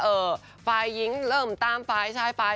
เอ่อฟัยยิงก์เริ่มตามว่าฟัยชาย